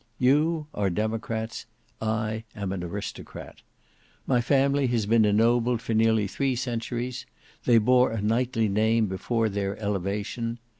You are democrats; I am an aristocrat. My family has been ennobled for nearly three centuries; they bore a knightly name before their elevation.